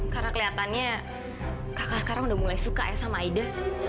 karena keliatannya kakak sekarang udah mulai suka ya sama aida